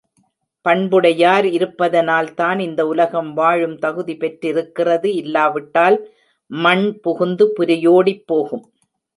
பண்புடையார் இருப்பதனால்தான் இந்த உலகம் வாழும் தகுதி பெற்றிருக்கிறது இல்லாவிட்டால் மண் புகுந்து புரையோடிப்போகும்.